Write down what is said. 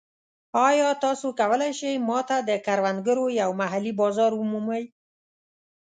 ایا تاسو کولی شئ ما ته د کروندګرو یو محلي بازار ومومئ؟